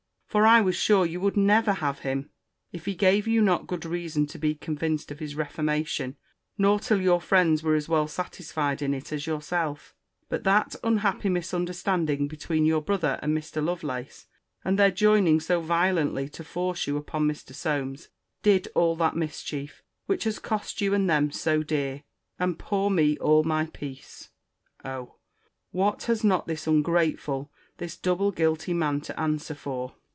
For I was sure you would never have him, if he gave you not good reason to be convinced of his reformation: nor till your friends were as well satisfied in it as yourself. But that unhappy misunderstanding between your brother and Mr. Lovelace, and their joining so violently to force you upon Mr. Solmes, did all that mischief, which has cost you and them so dear, and poor me all my peace! Oh! what has not this ungrateful, this double guilty man to answer for!